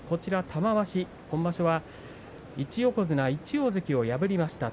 玉鷲、今場所は１横綱、１大関を破りました。